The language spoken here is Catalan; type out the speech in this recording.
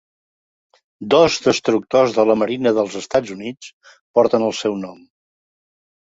Dos destructors de la Marina dels Estats Units porten el seu nom.